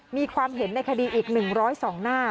มีความเห็นในคดีอีก๑๐๒หน้า